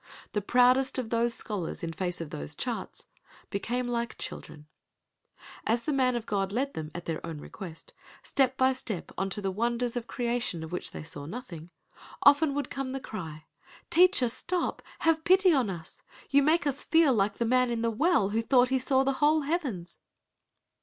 The proudest of those scholars in face of those charts became like children. As the man of God led them (at their own request) step by step on into the wonders of creation of which they knew nothing—often would come the cry, "Teacher stop, have pity on us—you make us feel like the man in the well who thought he saw the whole heavens!"